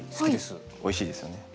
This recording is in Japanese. おいしいですよね。